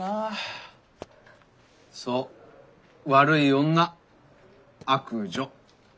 そう悪い女悪女。